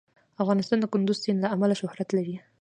افغانستان د کندز سیند له امله شهرت لري.